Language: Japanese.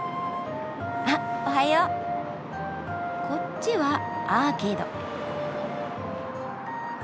こっちはアーケード。